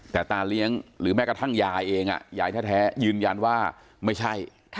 แต่ตาเลี้ยงหรือแม้กระทั่งยายเองยายแท้ยืนยันว่าไม่ใช่